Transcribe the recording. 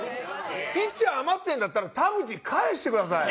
ピッチャー余ってるんだったら田口返してください。